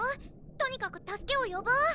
とにかく助けを呼ぼう！